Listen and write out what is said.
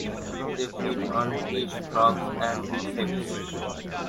They feed on fish, frogs and insects.